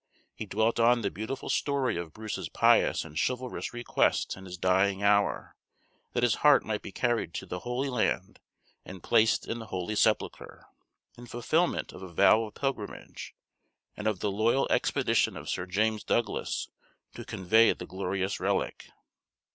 He dwelt on the beautiful story of Bruce's pious and chivalrous request in his dying hour, that his heart might be carried to the Holy Land and placed in the Holy Sepulchre, in fulfilment of a vow of pilgrimage; and of the loyal expedition of Sir James Douglas to convey the glorious relic.